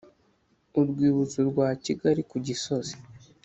Urwibutso Rwa kigali ku gisozi